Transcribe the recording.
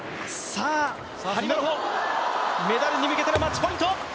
張本、メダルに向けてのマッチポイント。